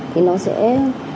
thì nó sẽ